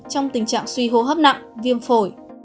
trong tình trạng suy hô hấp nặng viêm phổi